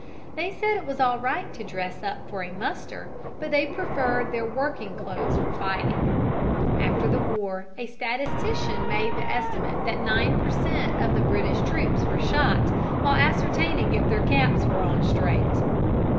They said it was all right to dress up for a muster, but they preferred their working clothes for fighting. After the war a statistician made the estimate that nine per cent. of the British troops were shot while ascertaining if their caps were on straight. [Illustration: PUTNAM'S FLIGHT.